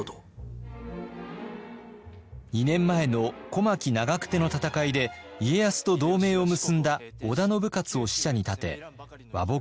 ２年前の小牧・長久手の戦いで家康と同盟を結んだ織田信雄を使者に立て和睦を迫ってきたのです。